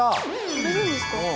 くれるんですか？